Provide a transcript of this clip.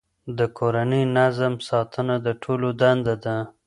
د کورني نظم ساتنه د ټولو دنده ده.